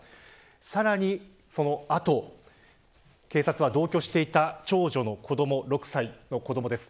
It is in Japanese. さらに、その後警察は同居していた長女の子ども６歳の子どもです。